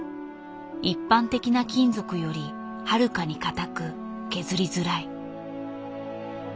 一般的な金属よりはるかに硬く削りづらい。